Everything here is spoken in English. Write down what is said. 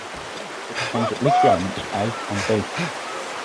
It contains at least the elements "a" and "b".